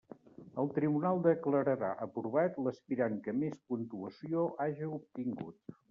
El tribunal declararà aprovat l'aspirant que més puntuació haja obtingut.